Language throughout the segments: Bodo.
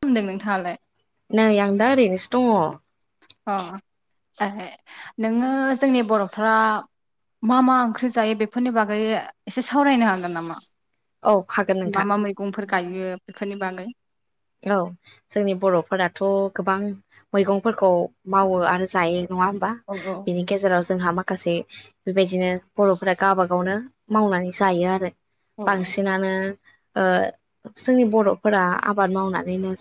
खामदों नोंथाङालाय? नै आं दा ओरैनोसो दङ'। अ ऐ नोङो जोंनि बर'फ्रा मा मा ओंख्रि जायो बेफोरनि बागै एसे सावरायनो हागोन नामा? औ हागोन बा नोंथां मा मैगंफोर गायो बेफोरनि बागै? औ जोंनि बर'फोराथ' गोबां मैगंफोरखौ मावो आरो जायो नङा होम बा? औ बिनि गेजेराव जोंहा माखासे बेबायदिनो बर'फोरा गाबा गावनो मावनानै जायो आरो। औ बांसिनानो ओ जोंनि बर'फोरा आ बाद मावनानैनो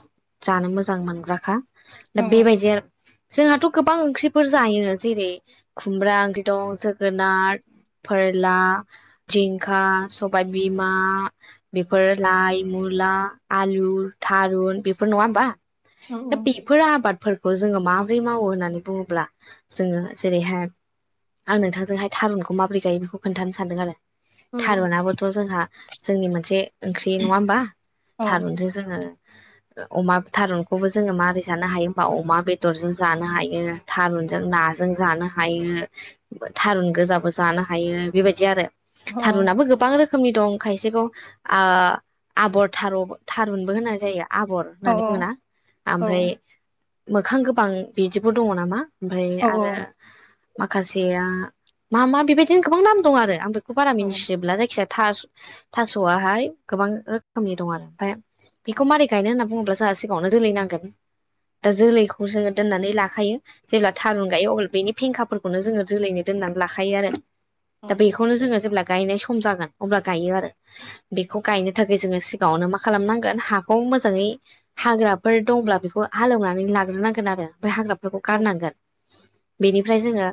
जानो मोजां मोनग्राखा। दा औ बेबायदि आरो। जोंहाथ' गोबां ओंख्रिफोर जायो जेरै खुमब्रा ओंख्रि दं जोगोनार, फोरला, जिंखा, सबाय बिमा बेफोर लाइ, मुला, आलु, थारुन बेफोर नङा होमबा? औ दा बे फोर आबादफोरखौ जोङो माबोरै मावो होननानै बुङोब्ला जोङो जेरैहाय आं नोंथांजोंहाय थारुनखौ माबोरै गायो बेखौ खोन्थानो सानदों आरो। औ थारुनाबोथ' जोंहा जोंनि मोनसे ओंख्रि नङा होमबा? औ थारुनजों जोङो [inaudible] ओ अमा थारुनखौबो जोङो मारै जानो हायो होमबा अमा बेदरजों जानो हायो। थारुनजों नाजों जानो हायो थारुन गोजाबो जानो हायो बेबायदि आरो। औ थारुनाबो गोबां रोख रोखोमनि दं खायसेखौ ओ आबर थार थारुनबो होनाय जायो आबर। औ होननानै बुङोना आमफ्राय मोखां गोबां बिदिबो दङ नामा? ओमफ्राय आरो माखासेया मा मा बेबायदिनो गोबां नाम दं आरो आंबो। बेखौ बारा मिन्थिजोब्ला जायखिजाया थास थासआहाय गोबां रोखोमनि दं आरो ओमफ्राय। बेखौ मारै गायनो होनना बुङोब्ला जोंहा सिगाङावनो जोलै नांगोन दा जोलैखौ जोङो दोननानै लाखायो। जेब्ला थारुन गायो अब्ला बेनि फेंखाफोरखौनो जोङो जोलैनो दोननानै लाखायो आरो दा बेख बेखौनो जोङो जेब्ला गायनाय सम जागोन अब्ला गायो आरो। बेखौ गायनो थाखाय जोङो सिगाङावनो मा खालामनां गोन हाखौ मोजाङै हाग्राफोर दंब्ला बेखौ हालोवनानै लाग्रोनांगोन आरो बै हाग्रा खौ गारनांगोन। बेनिफ्राय जोङो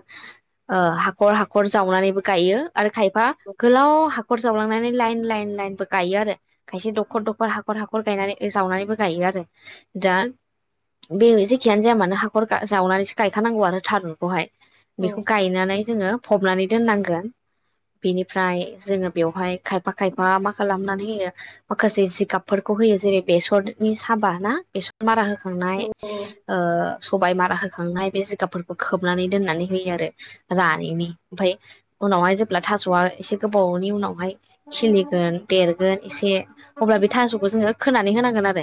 ओ हाखर हाखर जावनानैबो गायो। आरो खायफा गोलाव हाखर जावलांनानै लाइन लाइन लाइनबो गायो आरो खायसे दखर दखर हाख खर हाखर गायनानै जावनानैबो गायो आरो दा। बे जेखियानो जाया मानो हाखर जावनानैसो गायखानांगौ आरो थारुनखौहाय। बेखौ गायनानै जोङो फबनानै दोननांगोन बेनिफ्राय जोङो बेवहाय। खायफा खायफा मा खालामनानै होयो माखासे जिगाब। फोरखौ होयो जेरै बेसरनि साबा ना बेसर मारा होखांनाय औ ओ सबाय मारा होखांनाय बे जिगाबफोरखौ खोबनानै दोननानै होयो आरो रानैनि ओमफाय उनावहाय जेब्ला थास आ एसे गोबावनि उनावहाय। खिलिगोन देरगोन एसे अब्ला बे थास'खौ जोङो खोनानै होनांगोन आरो।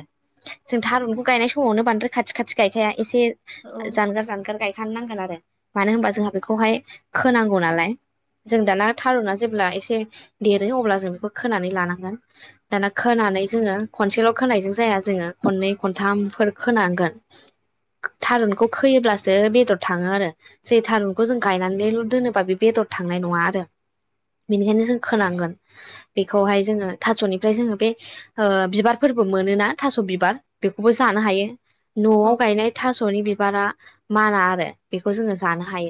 जों थारुनखौ गायनाय समावनो बांद्राय खाथि खाथि गायखाया एसे औ जानगार जानगार गाय खानोनांगोन आरो मानो होनबा जोंहा बेखौहाय खोनांगौ नालाय। जों दाना थारुना जेब्ला एसे देरो अब्ला जों बेखो खोनानै लानांगोन। दाना खोनानै जोङो खनसेल खोनायजों जाया जोङो खननै खनथामफोर खोनांगोन। थारुनखौ खोयोब्लासो बेदर थाङो आरो। जे थारुनखौ जों गायनानैल दोनोबा बे बेदर थांनाय नङा आरो। बेनिखायनो जों खोनांगोन बेखौहाय जोङो थासनिफ्राय जोङो बे। ओ बिबारफोरबो मोनोना थास बिबार बेखौबो जानो हायो। नआव गायनाय थास नि बिबारा माना आरो। बेखौ जोङो जानो हायो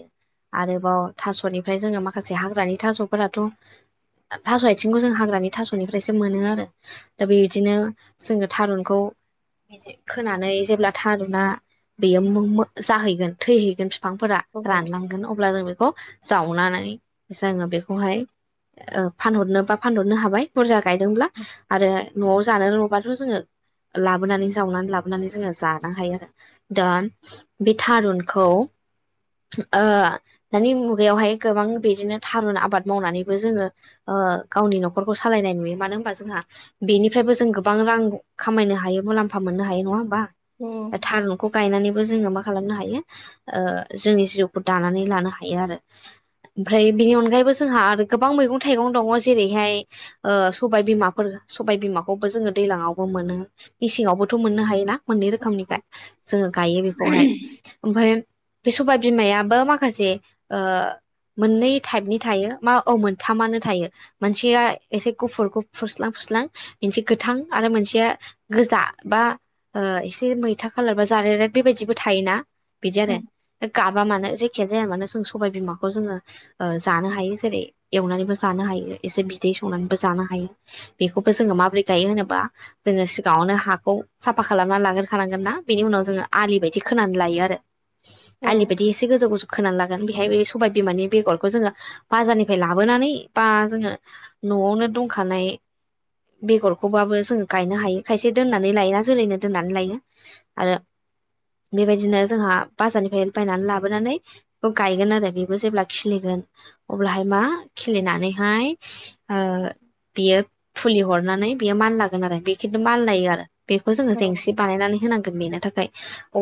आरोबाव थास निफ्राय जोङो माखासे हाग्रानि थास फोराथ थास आथिंखौ जों हाग्रानि थास निफ्रायसो मोनो आरो। दा बेदिनो जोङो थारुनखौ। खोनानै जेब्ला थारुना बेयो मो-मो जाहैगोन थैहैगोन फिफांफोरा। रानलांगोन अब्ला जों बेखौ जावनानै जोङो बेखौहाय। ओ फानहरनो बा फानहरनो हाबाय बुरजा गायदोंब्ला आरो नआव जानो लबाथ जोङो लाबोनानै जावनानै लाबोनानै जोङो जानो हायो आरो। दा बे थारुनखौ ओ दानि मुगायावहाय गोबां बिदिनो थारुन आबाद मावनानैबो जोङो ओ गावनि नखरखौ सालायनाय नुयो मानो होनबा जोंहा बेनिफ्रायबो जों गोबां रां खामायनो हायो मुलाम्फा मोननो हायो नङा होमबा दा थारु खौ गायनानैबो जोङो मा खालामनो हायो ओ जोंनि जिउखौ दानानै लानो हायो आरो। ओमफ्राय बिनि अनगायैबो जोंहा आरो गोबां मैगं थाइगं दङ जेरैहाय ओ सबाय बिमाफोर सबाय बिमाखौबो जोङो दैजलाङावबो मोनो मेसेंआवबोथ मोननो हायोना? मोननै रोखोमनि फाय जोङो गायो बेखौहाय ओमफाय बे सबाय बिमायाबो माखासे ओ मोननै टाइपनि थायो मा औ मोनथामानो थायो। मानसिया एसे गुफुर गु फुस्लां फु स्लां मोनसे गोथां आरो मोनसेया गोजा बा ओ एसे मैथा खालार बा जारेद रेद बेबायदिबो थायोना बिदि आरो गाब बा मानो जेखियानो जाया मानो जों सबाय बिमाखौ जोङो ओ जानो हायो जेरै- एवनानैबो जानो हायो एसे बिदै संनानैबो जानो हायो। बेखौबो जोङो माबोरै गायो होनोबा जोङो सिगाङावनो हाखौ साफा खालामना लाग्रोखानांगोन ना बेनि उनाव जोङो आलि बायदि खोनानै लायो आरो। आलिबायदि एसे गोजौ गोजौ खोना लागोन बेहाय बे सबाय बिमानि बेगरखौ जोङो बाजारनिफ्राय लाबोनानै बा जोङो न'आवनो दंखानाय बेगरखौबाबो जोङो गायनो हायो खायसे दोननानै लाया जोलैनो दोननानै लायो आरो बेबायदिनो जोंहा बाजारनिफ्राय बायनानै लाबोनानै ओ गायगोन आरो बेबो जेब्ला खिलिगोन अब्लाहाय मा खिलिनानैहाय ओ बियो फुलि हरनानै बेयो मानलागोन आरो बे खिन्थु मानलायो आरो बेखौ जोङो जेंसि बानायनानै होनांगोन बेनो थाखाय।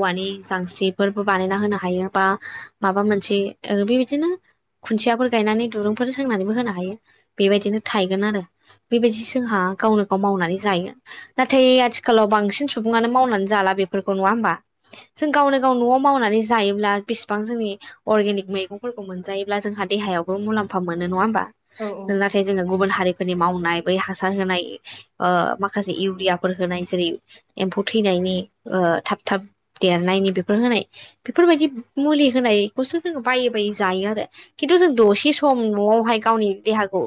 औवानि जांसिरिफोरबो बानायना होनो हायो बा माबा मोनसे ओ बेबायदिनो खुन्थियाफोर गायनानै दुरुंफोर सोंनानैबो होनो हायो बेबायदिनो थायगोन आरो। बेबायजि जोंहा गावनो गाव मावनानै जायो। नाथाय आथिखालाव बांसिन सुबुङानो मावनानै जाला बेफोरखौ नङा होमबा। जों गावनो गाव न'आव मावनानै जायोब्ला बेसेबां जोंनि अर्गेनिक मैगंफोरखौ मोनजायोब्ला जोंहा देहायावबो मुलामफा मोनो नङा होमबा? नाथाय जोङो गुबुन हारिफोरनि मावनाय बै हासार होनाय ओ माखासे इउरियाफोर होनाय जेरै एम्फौ थैनायनि ओ थाब थाब देरनायनि बेफोर होनाय बेफोरबायदि मुलि होनायखौसो जों बायै बायै जायो आरो। खिन्थु जों दसे सम न'आवहाय गावनि देहाखौ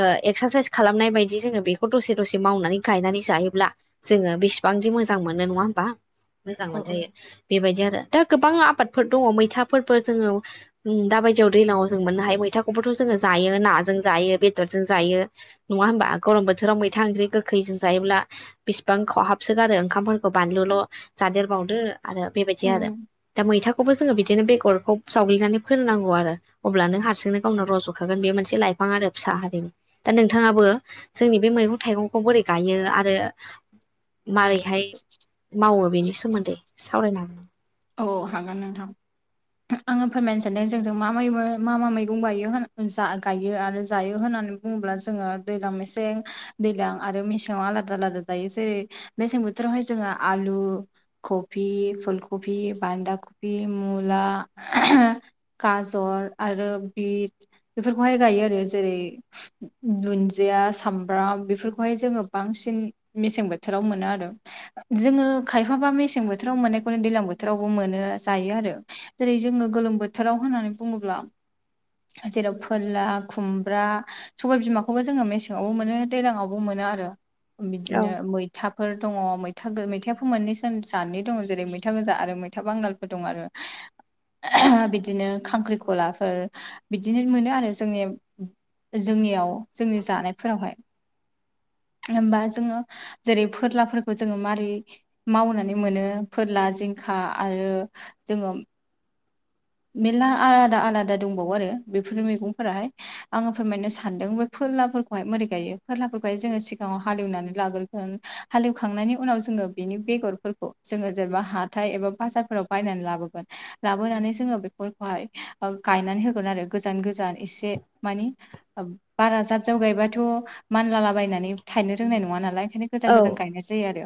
ओ एक्सारसाइस खालामनाय बाय दि जोङो बेखौ दसे दसे मावनानै गायनानै जायोब्ला जोङो बेसेबांदि मोजां मोनो नङा होमबा मोजां मोनजायो। बेबायदि आरो दा गोबां आबादफोर दङ मैथाफोरबो जोङो उम दाबायदियाव दैज्लांआव जों मोननो हायो मैथाखौबोथ' जोङो जायो नाजों जायो बेदरजों जायो। नङा होमबा गरम बोथोराव मैथा ओंख्रि गोखैजों जायोब्ला बिसिबां खहाबसोगारो ओंखामफोरखौ बानलुल' जादेरबावदो आरो बेबायदि आरो। दा मैथाखौबो जोङो बिदिनो बेगरखौ सावग्लिनानै फोनोनांगौ आरो। अब्लानो हारसिंनो गावनो रज'खागोन बे मोनसे लाइफां आरो फिसा हारिमु दा नोंथाङाबो जोंनि बे मैगं थाइगंखौ बोरै गायो आरो मारैहाय मावो बेनि सोमोन्दै सावरायनो हागोन। औ हागोन नोंथां। आङो फोरमायनो सानदों जोंजों मा माया मा मा मैगं गायो होन जा गायो आरो जायो होननानै बुङोब्ला जोङो दैलां मेसें दैलां आरो मेसेंयाव आलादा आलादा जायो जेरै मेसें बोथोरावहाय जोङो आलु, खफि, फुल कबि, बान्दाकफि, मुला गाजर आरो बिट बेफोरखौहाय गायो आरो जेरै दुन्दिया सामब्राम बेफोरखौहाय जोङो बांसिन मेसें बोथोराव मोनो आरो जोङो खायफाबा मेसें बोथोराव मोनो दैलां बोथोरावबो मोनो जायो आरो जेरै जोङो गोलोम बोथोराव होननानै बुङोब्ला जेराव फोलला खुमब्रा सबाय बिमाखौबो जोङो मेसेङावबो मोनो दैलांआवबो मोनो आरो। औ बिदिनो मैथाफोर दङ मैथागो मैथायाबो मोननैसो जादनि दङ जेरै मै था गोजा आरो मैथा बांगालफोर दं आरो। बिदिनो खांख्रिखलाफोर बिदिनो मोनो आरो जोंनि जोंनियाव जोंनि जानायफोरावहाय, होमबा जोङो जेरै फोरलाफोरखौ जोङो मारै मावनानै मोनो फोरला जिंखा आरो जोङो, मेरला आलादा आलादा दंबावो आरो बेफोर मैगंफोराहाय, आङो फोरमायनो सानदों बे फोरलाफोरखौहाय मोरै गायो। फोरलाफोरखौहाय जोङो सिगाङाव हालेवनानै लाग्रो हालेवखांनायनि उनाव जोङो बेनि बेगरफोरखौ जोङो जेनेबा हाथाय एबा बाजारफोराव, बायनानै लाबोगोन लाबोनानै, जोङो बेफोरखौहाय गायनानै होगोन आरो गोजान गोजान एसे मानि बारा जाब जाव गायबाथ' मानलालाबायनानै थायनो रोंनाय नङा नालाय ओंखायनो, गोजान औ गोजान गायनाय जायो आरो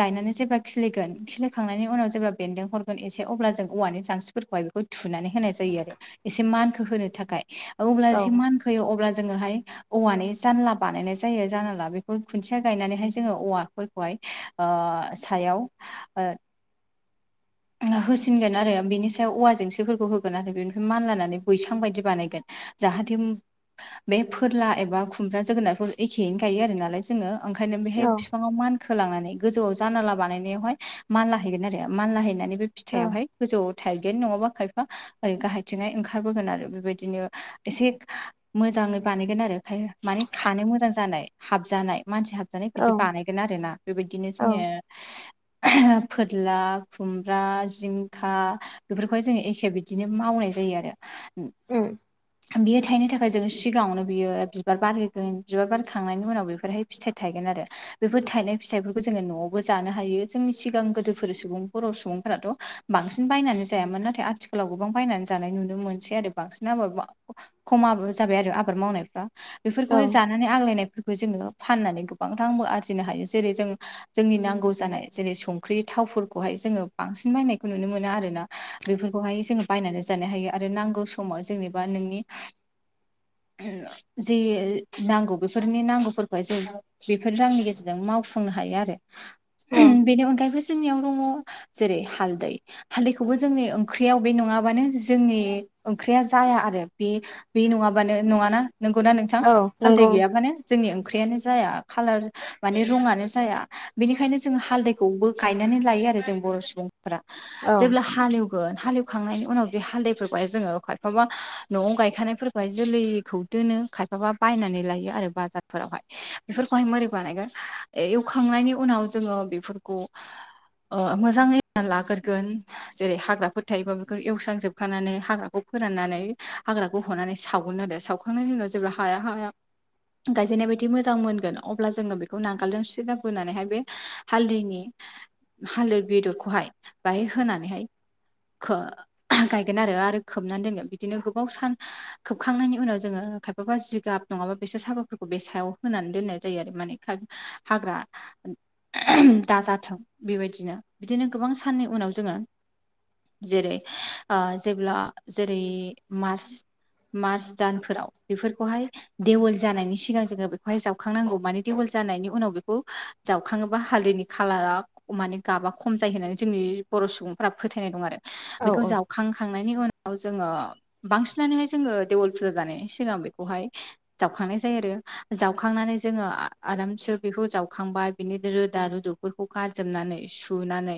गायनानै जेब्ला खिलिगोन खिलिखांनायनि उनाव जेब्ला बेन्दों हरगोन एसे अब्ला जों औवानि जांस्रिफोरखौहाय, थुनानै होनाय जायो आरो एसे मानखौ होनो थाखाय अब्ला औ एसे मान खोयो अब्ला जोङोहाय, औवानि जानला बानायनाय जायो जानला बेखौ खुन्थिया गायनानैहाय जोङो औवाफोर, अहाय ओ सायाव ओ, होसिनगोन आरो बिनि सायाव औवा जेंसिफोरखौ होगोन आरो बेनिफ्राय मानलानानै बैसां बायदि बानायगोन, जाहाथे बे फोरला एबा खुमब्रा जोगोनारफोर एखेयैनो गायो आरो नालाय, जोङो ओंखायनो बेहाय बिफांआव मान खोलांनानै गोजौआव जानाला बानायनायावहाय मानला हैैगोन आरो मानला हैैनानै बे फिथाइआवहाय औ गोजौआव, थाइगोन नङाबा खायफा ओरै गाहायथिंहाय ओंखारबोगोन आरो बेबायदिनो एसे, मोजाङै बानायगोन आरो खाय माने खानो मोजां जानाय हाबजानाय मानसि हाब माने बिदि बानायगोन आरो ना बेबायदिनो औ जोङो ओहो फोरला, खुमब्रा जिंखा बेफोरखौहाय जोङो एखे बिदिनो मावनाय जायो आरो उम बियो थायनो थाखाय जों सिगाङावनो बियो बिबार बारहोगोन बिबार बारखांनायनि उनाव बेफोरहाय फिथाइ थायगोन आरो बेफोर थाइनाय फिथाइफोरखौ जोङो न'आवबो जानो हायो, जोंनि सिगां गोदोफोर सोमोन बर' सुबुंफोराथ' बांसिन बायनानै जायामोन नाथाय आथिखालाव गोबां बायनानै जानाय नुनो मोनसै आरो बांसिन आबाद माव खमाजाबाय आरो आबाद मावनायफ्रा औ बेफोरखौ जानो नानै आग्लायनायफोरखौ जोङो फाननानै गोबां रांबो आरजिनो हायो जेरै जों जोंनि नांगौ जानाय जेरै संख्रि थावफोर खौहाय जोङो बांसिन बायनायखौ नुनो मोनो आरो ना बेफोरखौहाय जों बायनानै जानो हायो आरो नांगौ स समाव जोंनिबा नोंनि जि नांगौ बेफोरनि नांगौफोरखौ जों बेफोर रांनि गेजेरजों मावफुंनो हायो आरो औ बेनि अनगायैबो जोंनियाव, दङ जेरै हालदै, हालदैखौबो जोंनि ओंख्रियाव बे नङाबानो जोंनि ओंख्रिया जाया आरो बे बे नङाबानो नङाना नोंगौना नोंथां औ हालदै नंगौ गैयाबानो, जोंनि ओंख्रियानो जाया खालार माने रंहानो जाया बेनिखायनो जों हालदैखौबो गायनो गायनानै लायो आरो जों बर' सुबुंफोरा औ जेब्ला हालेव गोन हालेवखांनायनि उनाव बे हालदैफोरखौहाय जोङो खायफाबा न'आव गायखानायफोरखौहाय जोलैखौ दोनो खायफाबा बायनानै लायो आरो बाजारफोरावहाय, बेफोरखौहाय माबोरै बानायगोन एवखांनायनि उनाव जोङो बेफोरखौ, ओ मोजाङै लाग्रोगोन, जेरै हाग्राफोर थायोबा बेखौ एवस्रांजोबखानानै हाग्राखौ फोराननानै हाग्राखौ हनानै सावगोन आरो साव सावखांनायनि उनाव जेब्ला हाया हाया, गायजेननाय बायदि मोजां मोनगोन अब्ला जोङो बेखौ नांगोलजों सिदा बोनानैहाय बे हालदैनि, हालदै बेदरखौहाय बाहाय होनानैहाय, खो गायगोन आरो आरो खोबनानै दोनगोन बिदिनो गोबाव सान खोबखांनायनि उनाव जोङो खायफाबा जिगाब नङाबा बेसोर साबाफोरखौ बे सायाव होनानै दोननाय जायो। आरो माने हाग्रा दाजाथों, बेबायदिनो बिदिनो गोबां साननि उनाव जोङो जेरै ओ जेब्ला जेरै मार्च मार्च दानफोराव बेफोरखौहाय देवोल जानायनि सिगां जोङो बेखौहाय जावखांनांगौ माने देवोल जानायनि उनाव बेखौ जावखाङोबा हालदैनि खालाराव माने गाबा खम जायो होननानै जोंनि बर' सुबुंफोरा फोथायनाय दं आरो औ बेखौ औ जावखांखांनायनि उ नाव जोङो बांसिनानोहाय जोङो देवोल फुजा जानायनि सिगां बेखौहाय जावखांनाय जायो आरो जावखांनानै जोङो आरामसे बेखौ जावखांबाय बिनि रोदा रुदु फोरखौ गारजोबनानै सुनानै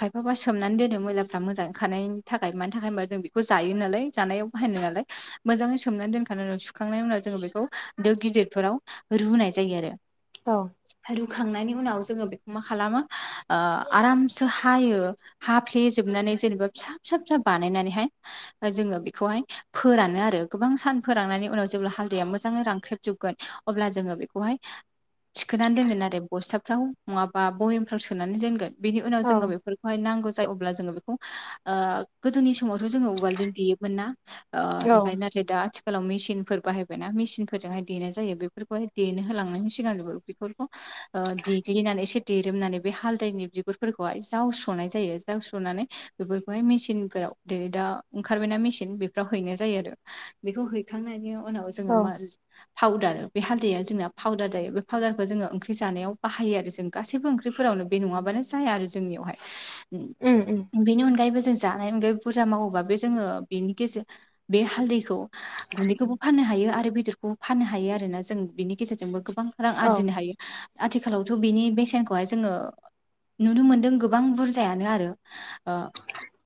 खायफाबा सोमनानै दोनो मैलाफ्रा मोजांखारनायनि थाखाय मानि थाखाय होनबा जों बेखौ जायो नालाय जानायाव बाहायनो नालाय मोजाङै सोमनानै दोनखांनाय उनाव सुखांनायनि उनाव जोङो बेखौ दो गिदिरफोराव रुनाय जायो आरो। औ। आमफाय रुखांनायनि उनाव जोङो बेखौ मा खालामो ओ आरामसो हायो। हा फ्ले जोबनानै जेनेबा फिसा फिसा फिसा बानायनानैहाय जोङो बेखौहाय फोरानो आरो गोबां सान फोराननानै उनाव जेब्ला हाल्दैया मोजाङै रांख्रेबजोबगोन अब्ला जोङो बेखौहाय थिखोनानै दोनगोन आरो बस्थाफ्राव नङाबा बय येमफ्राव सोनानै दोनगोन बेनि उनाव जोङो औ बेफोरखौहाय नांगौ जायो अब्ला जोङो बेखौ ओ गोदोनि समावथ' जोङो उवालजों देयोमोन ना ओ औ ओमफ्राय ना जे दा आथिखालाव मेसिनफोर बाहायबायना मेसिनफोरजोंहाय देनाय जायो बेफोरखौहाय देनो होलांनायनि सिगां जोबोर बेफोरखौ ओ देग्लिनानै एसे देरोमनानै बे हालदैनि बिगुरफोरखौहाय जावस्र'नाय जायो जावस्र'नानै बेफोरखौहाय मेचिनफोराव जेरै दा ओंखारबायना मेसिन बेफोराव हैनाय जायो आरो बेखौ हैखांनायनि उनाव जोङो औ मा पाउदार बे हालैदाया जोंना पावउदार जायो बे पाउदारखौ जोङो ओंख्रि जानायाव बाहायो आरो जों गासैबो ओंख्रि फोराव बे नङाबानो जाया आरो जोंनियावहाय उम उम बेनि अनगायैबो जों जानाय अनगायै बुरजा मावोबा बे जोङो बेनि गेजेर बे हालदैखौ गुन्दैखौबो फाननो हायो आरो बेदरखौबो फाननो हायो आरोना जों बिनि गेजेरजोंबो गोबां रां औ आरजिनो हायो आथिखालावथ' बिनि बेसेन खौहाय जोङो नुनो मोनदों गोबां बुरजायानो आरो ओ